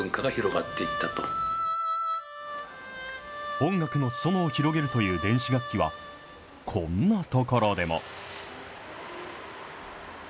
音楽のすそ野を広げるという電子楽器は、こんなところでも。